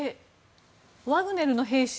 ワグネルの兵士